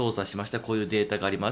こういうデータがあります